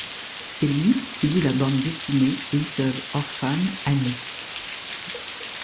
C'est lui qui lit la bande dessinée Little Orphan Annie.